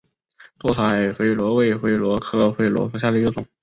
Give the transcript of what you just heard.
多彩榧螺为榧螺科榧螺属下的一个种。